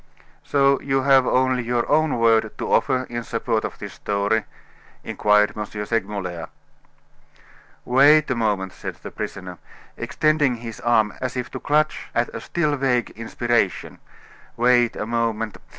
"So you have only your own word to offer in support of this story?" inquired M. Segmuller. "Wait a moment," said the prisoner, extending his arm as if to clutch at a still vague inspiration "wait a moment.